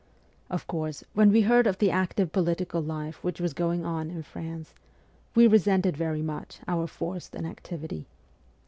Of course, when we heard of the active political life which was going on in France, we resented very much our forced inactivity.